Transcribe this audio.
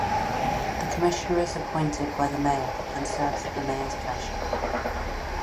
The Commissioner is appointed by the Mayor, and serves at the Mayor's pleasure.